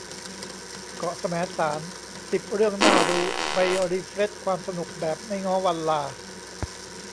เกาะแสมสาร สิบ เรื่องน่ารู้ ไปรีเฟรชความสนุกแบบไม่ง้อวันลา